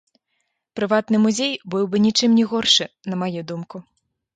Прыватны музей быў бы нічым не горшы, на маю думку.